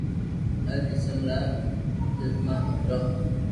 هر قسم را چۮما ملو هو